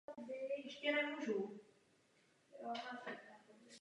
Vyučuje se ve spolupráci s Columbia Business School.